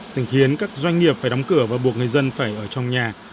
từng khiến các doanh nghiệp phải đóng cửa và buộc người dân phải ở trong nhà